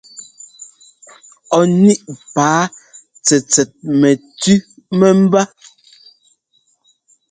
Ɔ níꞋ paa tsɛtsɛt mɛtʉ́ mɛ́mbá.